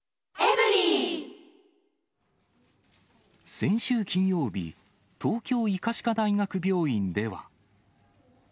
先週金曜日、東京医科歯科大学病院では。